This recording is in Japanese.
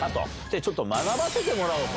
ちょっと学ばせてもらおうと。